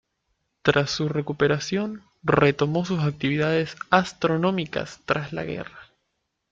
Tras su recuperación, retomó sus actividades astronómicas tras la guerra.